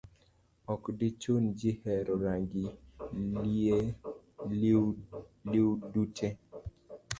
Ok dichun ji hero rangi liudute.